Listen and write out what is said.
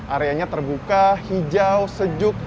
areanya terbuka hijau sejuk